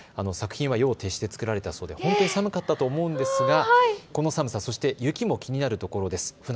作品は夜を徹して作られたそうで本当に寒かったと思うんですがこの寒さそして雪も気になる所です。